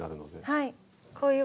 はい。